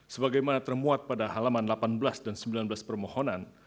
sebagaimana termuat pada halaman delapan belas dan sembilan belas permohonan